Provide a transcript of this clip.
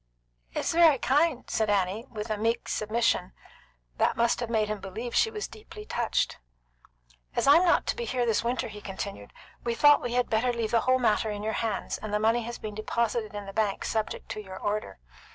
"It is very kind," said Annie, with a meek submission that must have made him believe she was deeply touched. "As I'm not to be here this winter," he continued, "we thought we had better leave the whole matter in your hands, and the money has been deposited in the bank subject to your order.